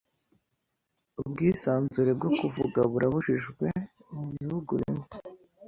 Ubwisanzure bwo kuvuga burabujijwe mu bihugu bimwe.